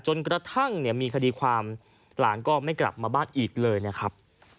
กระทั่งเนี่ยมีคดีความหลานก็ไม่กลับมาบ้านอีกเลยนะครับ